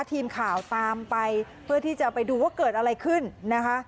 ทีมข่าวตามไปเพื่อที่จะไปดูว่าเกิดอะไรขึ้นนะคะ